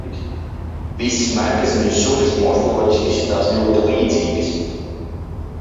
Visas mērkaziņu sugas morfoloģiski izskatās ļoti līdzīgas.